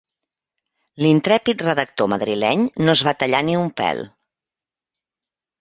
L'intrèpid redactor madrileny no es va tallar ni un pèl.